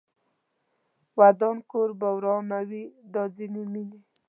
ودان کور به ورانوي دا ځینې مینې